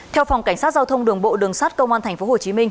theo phòng cảnh sát giao thông đường bộ đường sát công an tp hcm